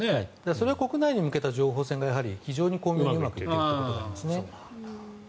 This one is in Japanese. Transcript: それは国内に向けた情報戦がうまくいっているということですね。